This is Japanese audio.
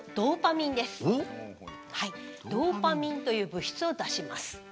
ドーパミンという物質を出します。